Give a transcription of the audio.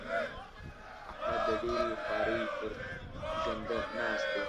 احمد له ډېرې خوارۍ؛ پر ژنده ناست دی.